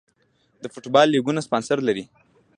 د فوټبال لیګونه سپانسر لري